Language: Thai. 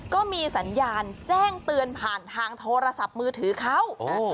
ก็มีสัญญาณแจ้งเตือนผ่านทางโทรศัพท์มือถือเขา